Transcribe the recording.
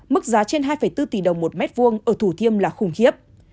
mức giá trên hai bốn tỷ đồng một mét vuông ở thủ thiêm là khủng khiếp